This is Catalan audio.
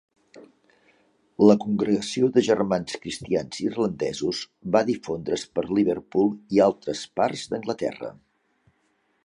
La congregació de Germans Cristians Irlandesos va difondre's per Liverpool i altres parts d'Anglaterra.